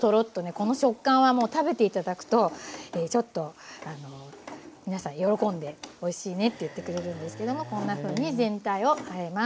この食感はもう食べて頂くとちょっと皆さん喜んでおいしいねって言ってくれるんですけどもこんなふうに全体をあえます。